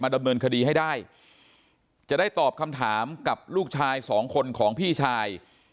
ดำเนินคดีให้ได้จะได้ตอบคำถามกับลูกชายสองคนของพี่ชาย